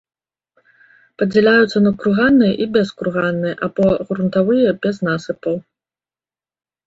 Падзяляюцца на курганныя і бескурганныя, або грунтавыя без насыпаў.